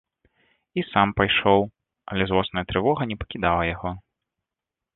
І сам пайшоў, але злосная трывога не пакідала яго.